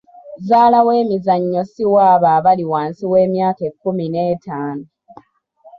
Zzaala w'emizannyo si waabo abali wansi w'emyaka ekkumi n'etaano.